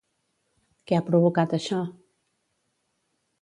Què ha provocat això?